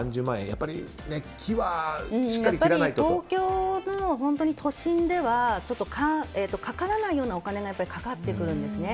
やっぱり木は東京の本当に都心ではかからないようなお金がかかってくるんですね。